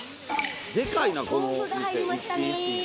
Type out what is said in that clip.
豆腐が入りましたね。